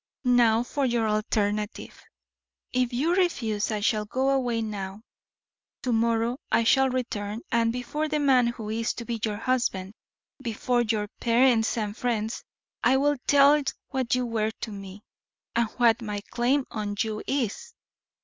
"Now for your alternative." "If you refuse, I shall go away now. To morrow I shall return, and, before the man who is to be your husband, before your parents and friends, I will tell what you were to me, and what my claim on you is."